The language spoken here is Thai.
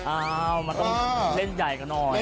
อ้าวมันต้องเส้นใหญ่กันหน่อย